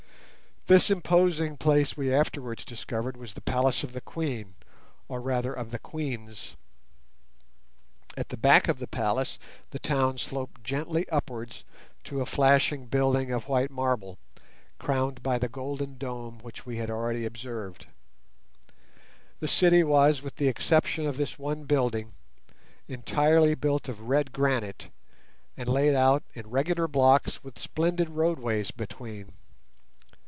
This imposing place we afterwards discovered was the palace of the queen, or rather of the queens. At the back of the palace the town sloped gently upwards to a flashing building of white marble, crowned by the golden dome which we had already observed. The city was, with the exception of this one building, entirely built of red granite, and laid out in regular blocks with splendid roadways between.